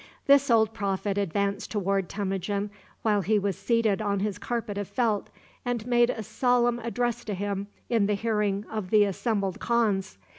This old prophet advanced toward Temujin while he was seated on his carpet of felt, and made a solemn address to him in the hearing of all the assembled khans.